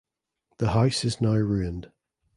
The house is now ruined.